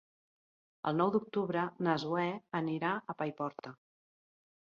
El nou d'octubre na Zoè anirà a Paiporta.